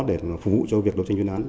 để phục vụ cho việc đấu tranh chuyên án